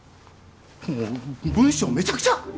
もう文章めちゃくちゃ！